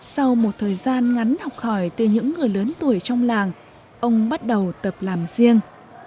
sau một thời gian ngắn học hỏi từ những người lớn tuổi trong làng ông bắt đầu tập làm riêng